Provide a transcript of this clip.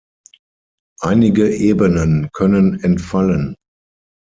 Einige Ebenen können entfallen.